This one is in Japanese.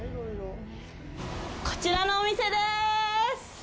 こちらのお店でーす。